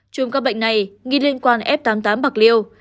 chùm ca bệnh này ghi liên quan f tám mươi tám bạc liêu